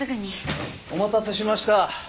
お待たせしました。